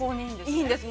◆いいんです。